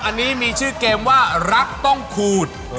อันนี้มีชื่อเกมว่ารักต้องขูด